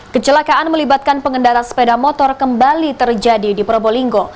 kecelakaan melibatkan pengendara sepeda motor kembali terjadi di probolinggo